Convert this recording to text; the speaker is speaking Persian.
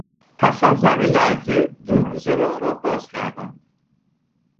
پس از زمین لرزه دو روزه راه را باز کردند.